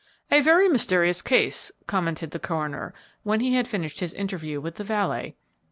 "A very mysterious case!" commented the coroner, when he had finished his interview with the valet.